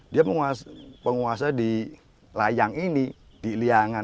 dia penguasa di layang ini di liangan